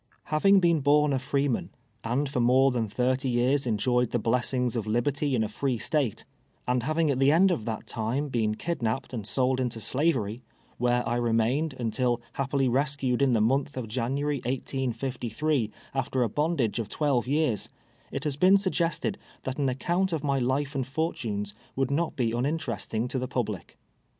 IIavixg l3een born a freeman, and for more than tliirty years enjoyed the blessings of liberty in a free State — and having at the end of that time been kid najDped and sold into Slavery, where I remained, until happily rescued in the month of January, 1853, after a bondage of twelve years — it has been suggested that an accomit of my life and fortunes would not be uninteresting to the public.